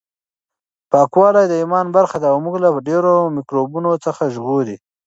پاکوالی د ایمان برخه ده او موږ له ډېرو میکروبونو څخه ژغوري.